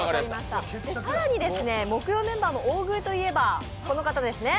更に木曜メンバーの大食いといえば、この方ですね。